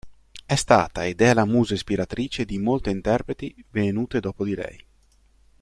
È stata ed è la musa ispiratrice di molte interpreti venute dopo di lei.